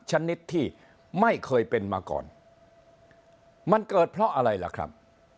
ชนิดที่ไม่เคยเป็นมาก่อนมันเกิดเพราะอะไรล่ะครับ